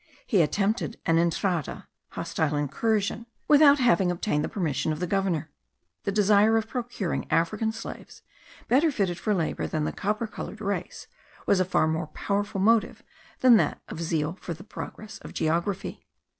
He attempted an entrada (hostile incursion) without having obtained the permission of the governor; the desire of procuring African slaves, better fitted for labour than the copper coloured race, was a far more powerful motive than that of zeal for the progress of geography.